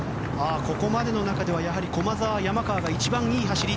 ここまでの中ではやはり駒澤、山川が一番いい走り。